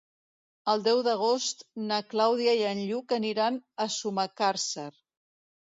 El deu d'agost na Clàudia i en Lluc aniran a Sumacàrcer.